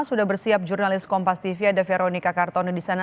sudah bersiap jurnalis kompas tv ada veronica kartono di sana